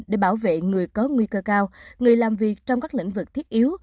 để bảo vệ người có nguy cơ cao người làm việc trong các lĩnh vực thiết yếu